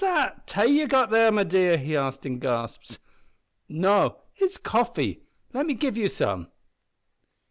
"Is that tay ye've got there my dear?" he asked in gasps. "No, it is coffee. Let me give you some."